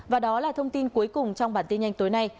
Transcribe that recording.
và đó là thông tin cuối cùng trong bản tin nhanh tối nay